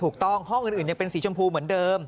ห้องอื่นยังเป็นสีชมพูเหมือนเดิม